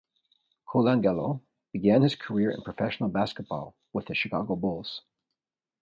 Colangelo began his career in professional basketball with the Chicago Bulls.